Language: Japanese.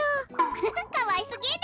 フフかわいすぎる！